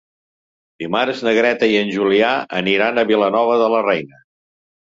Dimarts na Greta i en Julià aniran a Vilanova de la Reina.